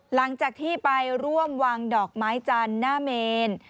หลังจากที่ไปร่วมวางดอกไม้จันทร์หน้าเมน